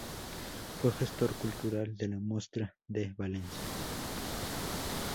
Fue gestor cultural de la Mostra de Valencia.